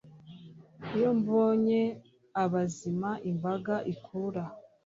Iyo mbonye abazima imbaga ikura